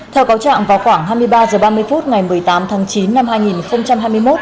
theo cáo trạng vào khoảng hai mươi ba h ba mươi phút ngày một mươi tám tháng chín năm hai nghìn hai mươi một